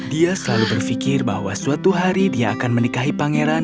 dia selalu berpikir bahwa suatu hari dia akan menikahi pangeran